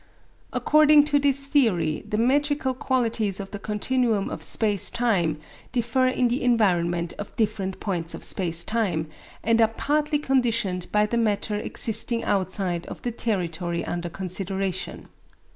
According to this theory the metrical qualities of the continuum of space time differ in the environment of different points of space time, and are partly conditioned by the matter existing outside of the territory under consideration.